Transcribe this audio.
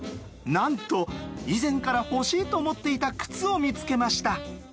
なんと以前から欲しいと思っていた靴を見つけました。